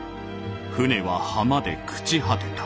船は浜で朽ち果てた」。